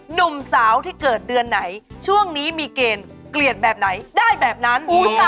หนุ่มสาวที่เกิดเดือนไหนช่วงนี้มีเกณฑ์เกลียดแบบไหนได้แบบนั้น